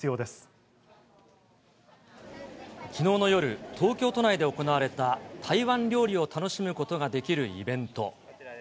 きのうの夜、東京都内で行われた、台湾料理を楽しむことができるイベント。